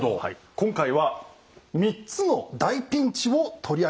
今回は３つの大ピンチを取り上げました。